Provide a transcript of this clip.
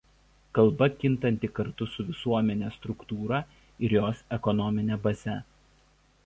Kalba kintanti kartu su visuomenės struktūra ir jos ekonomine baze.